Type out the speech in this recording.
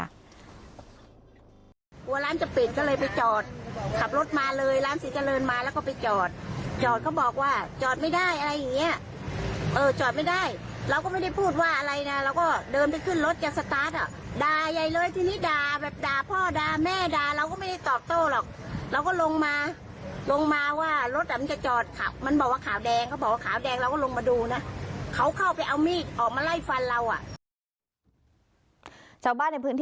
กลัวร้านจะปิดก็เลยไปจอดขับรถมาเลยร้านศรีเจริญมาแล้วก็ไปจอดจอดเขาบอกว่าจอดไม่ได้อะไรอย่างเงี้ยเออจอดไม่ได้เราก็ไม่ได้พูดว่าอะไรนะเราก็เดินไปขึ้นรถจะสตาร์ทอ่ะด่าใหญ่เลยทีนี้ด่าแบบด่าพ่อด่าแม่ด่าเราก็ไม่ได้ตอบโต้หรอกเราก็ลงมาลงมาว่ารถอ่ะมันจะจอดมันบอกว่าขาวแดงเขาบอกว่าขาวแดงเราก็ลงมาดูนะเขาเข้าไปเอามีดออกมาไล่ฟันเราอ่ะชาวบ้านในพื้นที่